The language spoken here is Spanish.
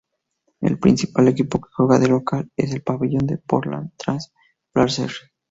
El principal equipo que juega de local en el pabellón es Portland Trail Blazers.